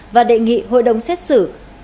và đề nghị hội đồng xét xử